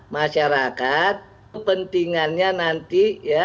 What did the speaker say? masyarakat kepentingannya nanti